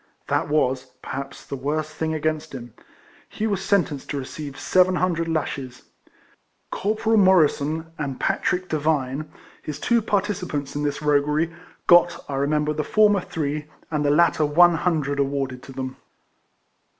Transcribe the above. That Avas, perhaps, the worst thing against him. He was sentenced to receive seven hun dred lashes. Corporal Morrisson and Pa trick Pivine, his two participators in this roguery, got, I remember, the former three, EIFLEMAN HARRIS. 125 and the latter one hundred, awarded to them.